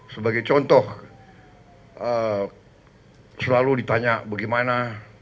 sebagai contoh selalu ditanya bagaimana